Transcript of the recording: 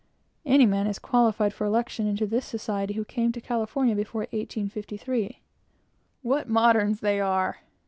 Any man is qualified for election into the society who came to California before 1853. What moderns they are!